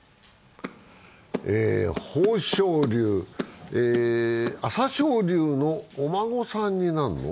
豊昇龍、朝青龍のお孫さんになるの？